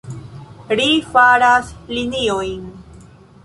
Ri faras liniojn.